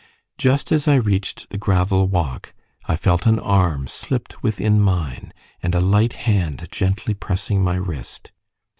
Just as I reached the gravel walk, I felt an arm slipped within mine, and a light hand gently pressing my wrist.